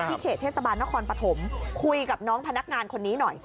เขตเทศบาลนครปฐมคุยกับน้องพนักงานคนนี้หน่อย